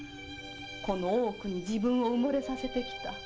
この大奥に自分をうもれさせて来た